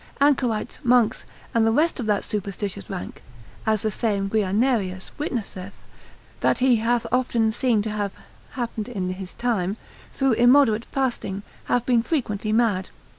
Anchorites, monks, and the rest of that superstitious rank (as the same Guianerius witnesseth, that he hath often seen to have happened in his time) through immoderate fasting, have been frequently mad.